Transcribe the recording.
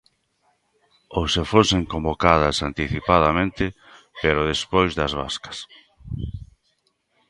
Ou se fosen convocadas anticipadamente pero despois das vascas.